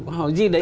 họ gì đấy là sai